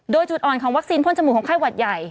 โดยจุดอ่อนของวัคซีนพ่นจมูกของไข้หวัดใหญ่